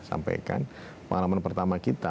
sampaikan pengalaman pertama kita